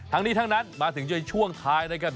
ทั้งนี้ทั้งนั้นมาถึงในช่วงท้ายนะครับ